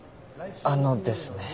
あのですね。